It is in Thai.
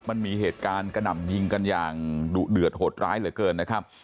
มันมีเหตุการณ์กระหน่ำยิงกันอย่างดุเดือดโหดร้ายเหลือเกินนะครับ